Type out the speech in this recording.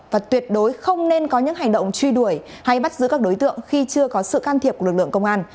và tuyệt đối không nên có những hành động truy đuổi hay bắt giữ các đối tượng khi chưa có sự can thiệp của lực lượng công an